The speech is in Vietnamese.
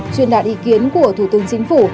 chuyên đạt ý kiến của thủ tướng chính phủ